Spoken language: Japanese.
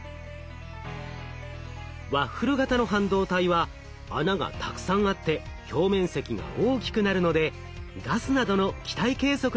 ワッフル型の半導体は穴がたくさんあって表面積が大きくなるのでガスなどの気体計測に使用したいと考えています。